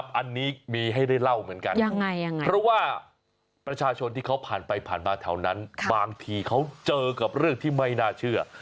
เพราะว่าประชาชนที่เขาผ่านไปผ่านมาแถวนั้นบางทีเขาเจอกับเรื่องที่ไม่น่าเชื่อ